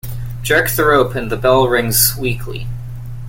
Jerk the rope and the bell rings weakly.